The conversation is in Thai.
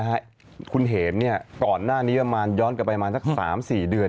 คุณเหมเนี่ยก่อนหน้านี้ประมาณย้อนกลับไปประมาณสัก๓๔เดือน